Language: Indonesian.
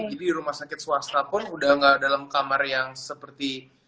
jadi di rumah sakit swasta pun udah gak dalam kamar yang seperti